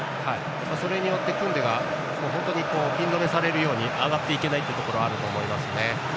それによってクンデが本当にピン止めされるように上がっていけないのはあると思います。